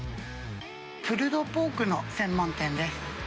プルドポークの専門店です。